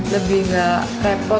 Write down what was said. lebih tidak repot